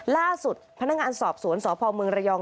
ล่าสุดพนักงานสอบสวนสพเมืองระยอง